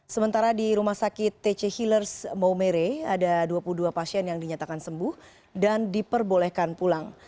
sementara di rumah sakit tc healers maumere ada dua puluh dua pasien yang dinyatakan sembuh dan diperbolehkan pulang